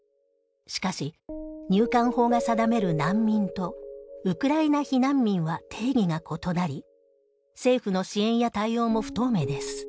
しかし入管法が定める難民とウクライナ避難民は定義が異なり政府の支援や対応も不透明です。